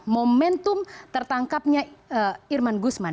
momentum tertangkapnya irman guzman